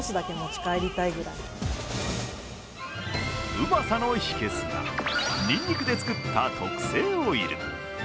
うまさの秘けつがにんにくで作った特製オイル。